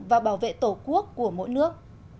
và bảo vệ tổ quốc của mỗi nước